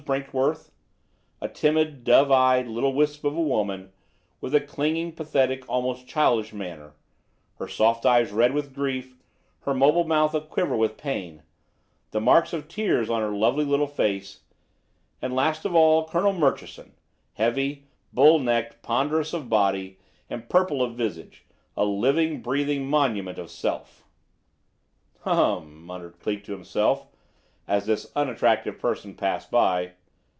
Brinkworth, a timid, dove eyed, little wisp of a woman, with a clinging, pathetic, almost childish manner, her soft eyes red with grief, her mobile mouth a quiver with pain, the marks of tears on her lovely little face; and, last of all, Colonel Murchison, heavy, bull necked, ponderous of body, and purple of visage a living, breathing monument of Self. "Hum m m!" muttered Cleek to himself, as this unattractive person passed by.